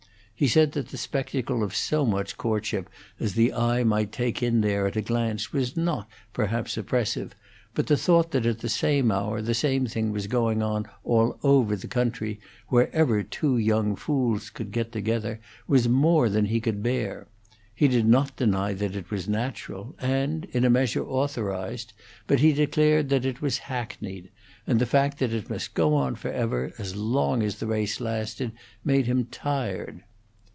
He said that the spectacle of so much courtship as the eye might take in there at a glance was not, perhaps, oppressive, but the thought that at the same hour the same thing was going on all over the country, wherever two young fools could get together, was more than he could bear; he did not deny that it was natural, and, in a measure authorized, but he declared that it was hackneyed; and the fact that it must go on forever, as long as the race lasted, made him tired.